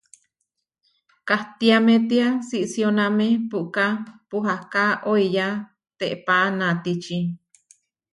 Kahtiamé tiá siʼsióname puʼká puhaká oiyá teʼpá natíči.